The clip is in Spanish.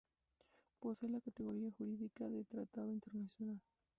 Posee la categoría jurídica de Tratado Internacional.